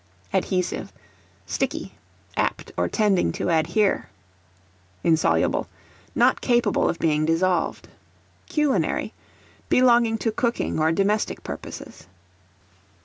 Adhesive, sticky; apt or tending to adhere. Insoluble, not capable of being dissolved. Culinary, belonging to cooking or domestic purposes.